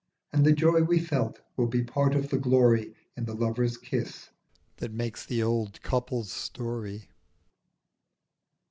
And the joy we felt will be a part of the glory In the lover's kiss that makes the old couple's story.